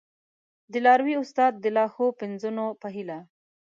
د لاروي استاد د لا ښو پنځونو په هیله!